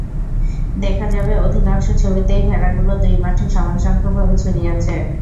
দেখা যাবে, অধিকাংশ ছবিতেই ভেড়াগুলো দুই মাঠে সমানসংখ্যকভাবে ছড়িয়ে আছে।